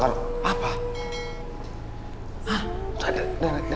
daruluh taruh di atas lagi